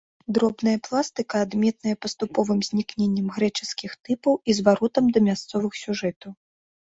Дробная пластыка адметная паступовым знікненнем грэчаскіх тыпаў і зваротам да мясцовых сюжэтаў.